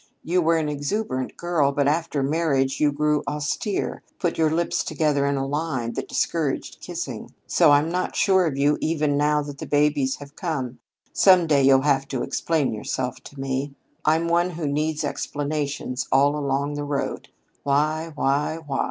You were an exuberant girl, but after marriage you grew austere put your lips together in a line that discouraged kissing. So I'm not sure of you even now that the babies have come. Some day you'll have to explain yourself to me. "I'm one who needs explanations all along the road. Why? Why? Why?